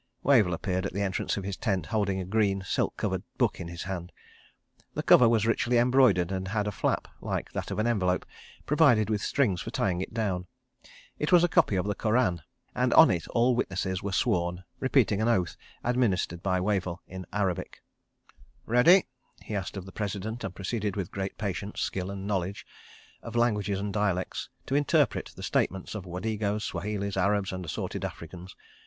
Wavell appeared at the entrance to his tent, holding a green, silk covered book in his hand. The cover was richly embroidered and had a flap, like that of an envelope, provided with strings for tying it down. It was a copy of the Koran, and on it all witnesses were sworn, repeating an oath administered by Wavell in Arabic. ... "Ready?" asked he of the President, and proceeded with great patience, skill and knowledge of languages and dialects, to interpret the statements of Wadegos, Swahilis, Arabs, and assorted Africans.